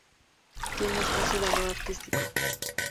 Tiene escaso valor artístico.